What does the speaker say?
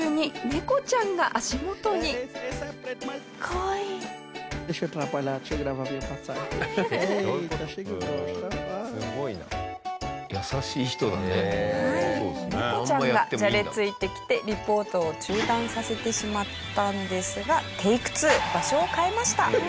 猫ちゃんがじゃれついてきてリポートを中断させてしまったんですがテイク２場所を変えました。